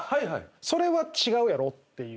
それは違うやろっていう。